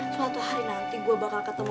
suatu hari nanti gue bakal ketemu